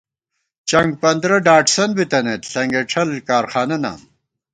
چنگپندرہ ڈاٹسن بِتَنئیت ݪنگېڄھل کارخانہ نام